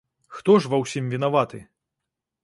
Хто ж ва ўсім вінаваты?